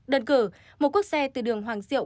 đơn cử một quốc xe từ đường hoàng diệu